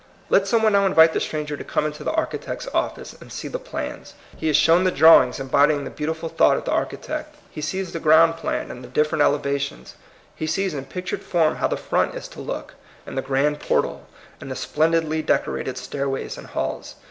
Let some one now invite the stranger to come into the architect's office, and see the plans. He is shown the drawings em bodying the beautiful thought of the archi tect. He sees the ground plan, and the different elevations ; he sees in pictured form how the front is to look, and the grand portal, and the splendidly decorated stairways and halls.